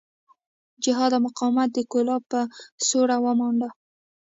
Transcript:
جهاد او مقاومت د کولاب په سوړه ومانډه.